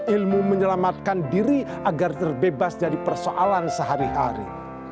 ilmu menyelamatkan diri agar terbebas dari persoalan sehari hari